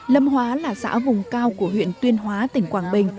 lâm hóa là xã vùng cao của huyện tuyên hóa tỉnh quảng bình